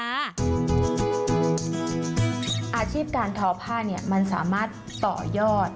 อาชีพการทอผ้ามันสามารถต่อยอด